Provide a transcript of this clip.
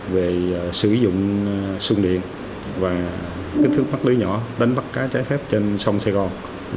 về sử dụng sung điện và kích thước pháp lý nhỏ đánh bắt cá trái phép trên sông sài gòn